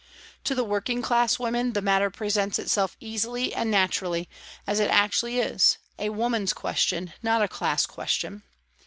To the working class women the matter presents itself easily and naturally, as it actually is a woman's question, not a class question.